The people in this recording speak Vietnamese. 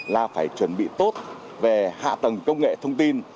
là phải chuẩn bị tốt về hạ tầng công nghệ thông tin